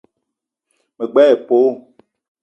Me gbele épölo